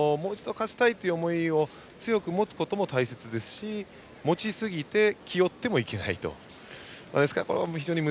もう一度勝ちたいという思いを強く持つことも大切ですし持ちすぎて気負ってもいけないという。